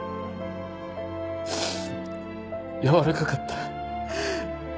やわらかかった。